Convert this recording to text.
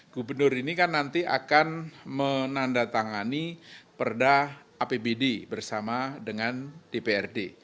gubernur ini kan nanti akan menandatangani perda apbd bersama dengan dprd